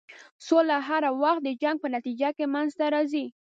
سوله هر وخت د جنګ په نتیجه کې منځته راځي.